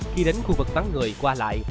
khi đến khu vực vắng người qua lại